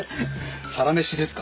「サラメシ」ですか。